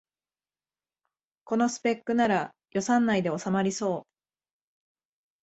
このスペックなら予算内でおさまりそう